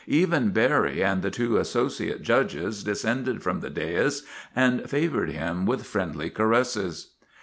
Even Barry and the two associate judges descended from the dais and favored him with friendly caresses.